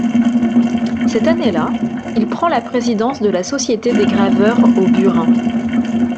Cette année-là, il prend la présidence de la Société des graveurs au burin.